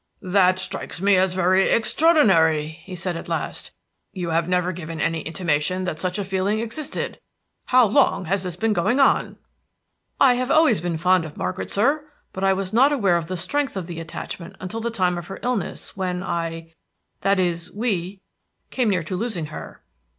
"This strikes me as very extraordinary," he said at last. "You have never given any intimation that such a feeling existed. How long has this been going on?" "I have always been fond of Margaret, sir; but I was not aware of the strength of the attachment until the time of her illness, when I that is, we came near to losing her."